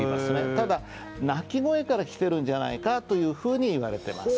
ただ鳴き声から来てるんじゃないかというふうにいわれてます。